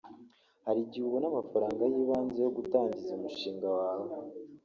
hari igihe ubona amafaranga y’ibanze yo gutangiza umushinga wawe